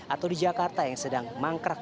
atau di jakarta yang sedang mangkrak